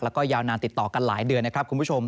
แล้วก็ยาวนานติดต่อกันหลายเดือนนะครับคุณผู้ชม